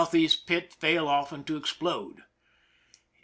E. pit fail often to explode.